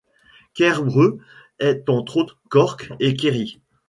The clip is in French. Cairbre est entre Cork et Kerry.